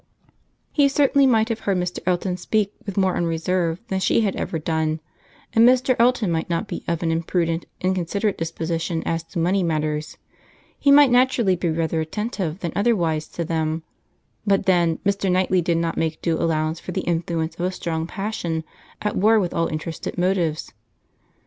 He certainly might have heard Mr. Elton speak with more unreserve than she had ever done, and Mr. Elton might not be of an imprudent, inconsiderate disposition as to money matters; he might naturally be rather attentive than otherwise to them; but then, Mr. Knightley did not make due allowance for the influence of a strong passion at war with all interested motives.